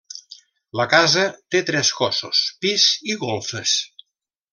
La casa té tres cossos, pis i golfes.